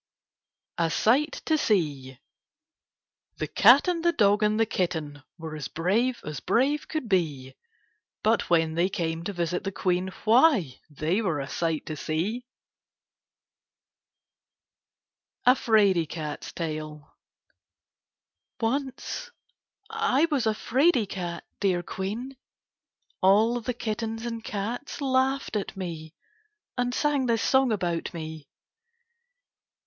A SIGHT TO SEE The cat and the dog and the kitten Were as brave as brave could be, But when they came to visit the Queen^ Why, they were a sight to see I 62 KITTENS AKD CATS A 'FRAID CAT'S TALE Once I was a 'f raid cat, dear Queen. All the kittens and cats laughed at me and sang this song about me.